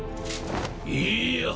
いいや！